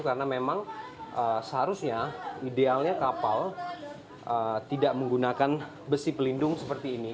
karena memang seharusnya idealnya kapal tidak menggunakan besi pelindung seperti ini